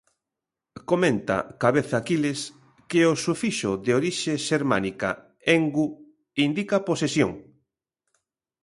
Comenta Cabeza Quiles que o sufixo de orixe xermánica –engu indica posesión.